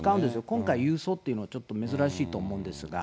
今回、郵送というのはちょっと珍しいと思うんですが。